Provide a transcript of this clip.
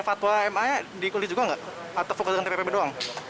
fatwa ma nya diikuti juga nggak atau fokusnya tppu doang